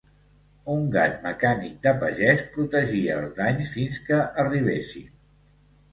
Un gat mecànic de pagès protegia els danys fins que arribessin.